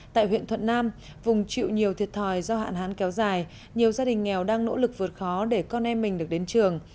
tại huyện thuận nam vùng chịu nhiều thiệt thòi do hạn hán kéo dài nhiều gia đình nghèo đang nỗ lực vượt khó để con em mình được đến trường